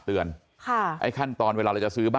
อือ